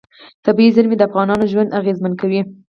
طبیعي زیرمې د افغانانو ژوند اغېزمن کوي.